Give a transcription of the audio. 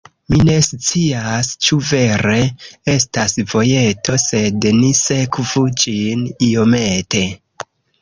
Mi ne scias, ĉu vere estas vojeto, sed ni sekvu ĝin iomete.